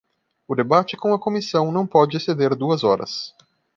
O debate com a comissão não pode exceder duas horas.